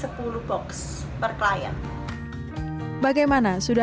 hantaran yang menarik bagi pasangan anda